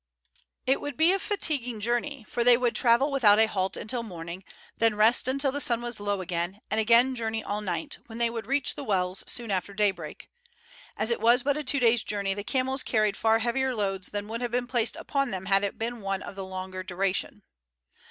It would be a fatiguing journey, for they would travel without a halt until morning, then rest until the sun was low again, and again journey all night, when they would reach the wells soon after daybreak. As it was but a two days' journey the camels carried far heavier loads than would have been placed upon them had it been one of longer duration.